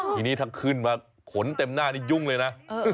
ทีนี้ถ้าขึ้นมาขนเต็มหน้านี่ยุ่งเลยนะ